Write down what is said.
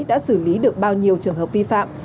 đã xử lý được bao nhiêu trường hợp vi phạm